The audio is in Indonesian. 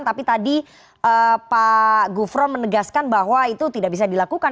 tapi tadi pak gufron menegaskan bahwa itu tidak bisa dilakukan